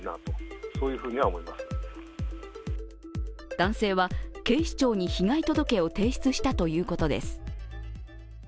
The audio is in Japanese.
男性は、警視庁に被害届を提出したということです。